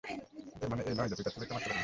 এর মানে এই নয় যে, তুই তোর ছেলেকে মারতে পারবি।